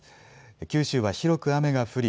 九州は広く雨が降り